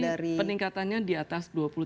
jadi peningkatannya di atas